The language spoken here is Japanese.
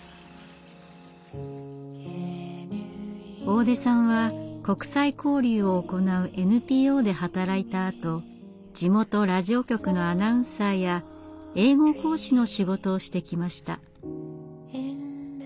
大出さんは国際交流を行うＮＰＯで働いたあと地元ラジオ局のアナウンサーや英語講師の仕事をしてきました。